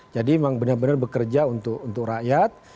jadi memang benar benar bekerja untuk rakyat